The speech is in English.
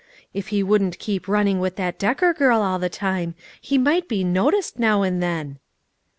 If he wouldn't keep running with that Decker girl all the time, he migh be noticed now and then."